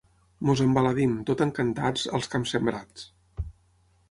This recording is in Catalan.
Ens embadalim, tot encantats, als camps sembrats.